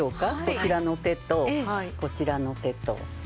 こちらの手とこちらの手と。